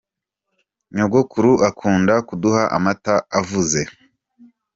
Nyogokuru akunda kuduha amata avuze.